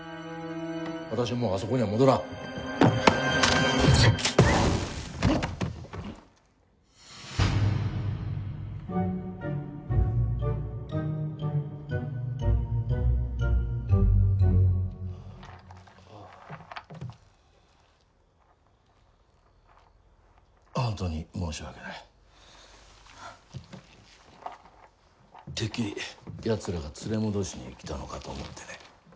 私はもうあそこには戻らん本当に申し訳ないてっきりヤツらが連れ戻しに来たのかと思ってね